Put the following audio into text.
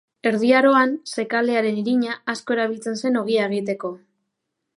Erdi Aroan zekalearen irina asko erabiltzen zen ogia egiteko.